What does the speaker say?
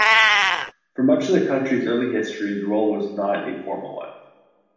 For much of the country's early history, the role was not a formal one.